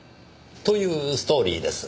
というストーリーです。